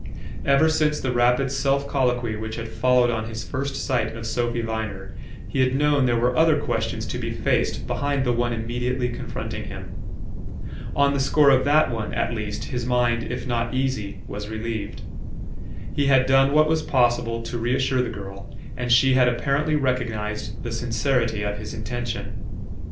Ever since the rapid self colloquy which had followed on his first sight of Sophy Viner, he had known there were other questions to be faced behind the one immediately confronting him. On the score of that one, at least, his mind, if not easy, was relieved. He had done what was possible to reassure the girl, and she had apparently recognized the sincerity of his intention.